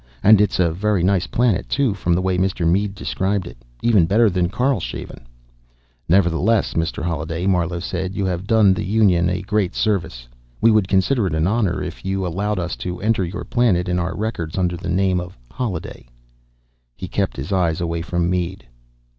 And it's a very nice planet, too, from the way Mr. Mead described it. Even better than Karlshaven." "Nevertheless, Mr. Holliday," Marlowe said, "you have done the Union a great service. We would consider it an honor if you allowed us to enter your planet in our records under the name of Holliday." He kept his eyes away from Mead.